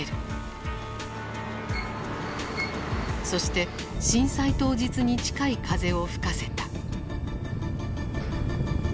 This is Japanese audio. そして震災当日に近い風を吹かせた。